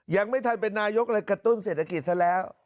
ยังไม่ทันเป็นนายกเลยกระตุ้นเศรษฐกิจซะแล้ว